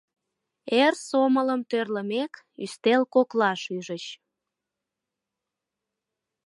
Эр сомылым тӧрлымек, ӱстел коклаш ӱжыч.